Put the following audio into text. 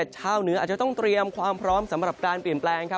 ชาวเหนืออาจจะต้องเตรียมความพร้อมสำหรับการเปลี่ยนแปลงครับ